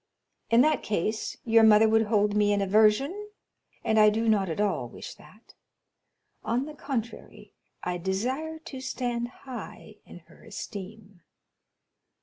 In that case your mother would hold me in aversion, and I do not at all wish that; on the contrary, I desire to stand high in her esteem."